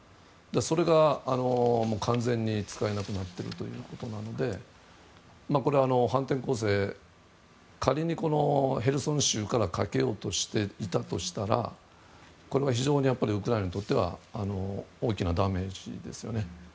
それが完全に使えなくなっているということなので反転攻勢を、仮にヘルソン州からかけようとしていたとしたら非常にウクライナにとっては大きなダメージですよね。